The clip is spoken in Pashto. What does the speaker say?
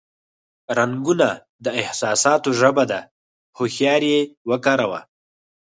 رنگونه د احساساتو ژبه ده، هوښیار یې وکاروه.